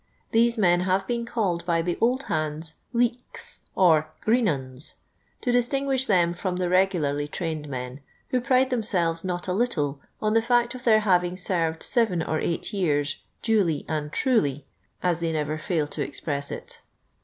These men have been called by the old hands *' leeks" or " green 'uns," to distinguish them irom the regu larly trained men, who pride themselves not a little on the fact of their having served seven or eight years, "dulj' and truly," as they never fail to express it.